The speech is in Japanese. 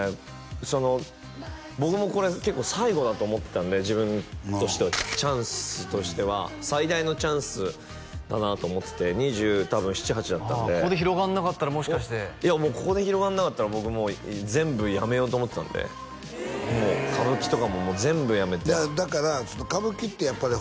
その僕もこれ結構最後だと思ってたんで自分としてはチャンスとしては最大のチャンスだなと思ってて２０多分２７２８だったんでここで広がんなかったらもしかしていやここで広がんなかったら僕もう全部やめようと思ってたんでもう歌舞伎とかも全部やめていやだから歌舞伎ってやっぱり